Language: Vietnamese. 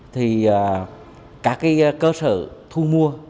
thì các cơ sở thu mua